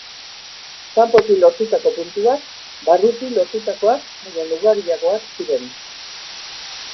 Kanpotik lortutako puntuak barrutik lortutakoak baino ugariagoak ziren.